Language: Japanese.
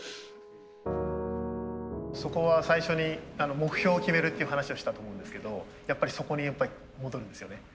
そこは最初に目標を決めるっていう話をしたと思うんですけどやっぱりそこに戻るんですよね。